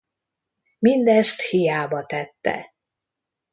Mindezt hiába tette.